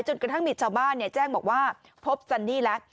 กระทั่งมีชาวบ้านแจ้งบอกว่าพบซันนี่แล้ว